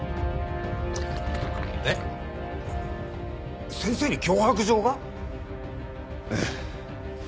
えっ先生に脅迫状が？ええ。